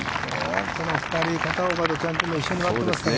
この２人、片岡とチャン・キム、一緒に回ってますからね。